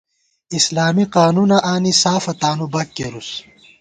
اسلامی قانُونہ آنی سافہ تانُو بَک کېرُوس